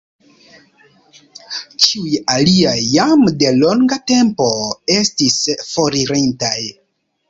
Ĉiuj aliaj jam de longa tempo estis foririntaj.